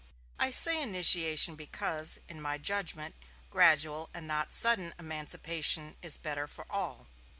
I say 'initiation' because, in my judgment, gradual, and not sudden, emancipation is better for all....